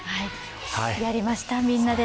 やりました、みんなで。